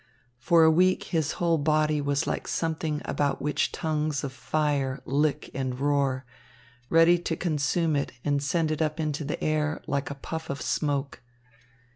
For a week his whole body was like something about which tongues of fire lick and roar, ready to consume it and send it up into the air, like a puff of smoke.